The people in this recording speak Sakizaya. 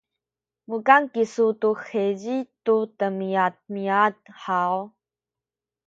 mukan kisu tu heci tu demiamiad haw?